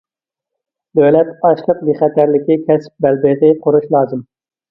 دۆلەت ئاشلىق بىخەتەرلىكى كەسىپ بەلبېغى قۇرۇش لازىم.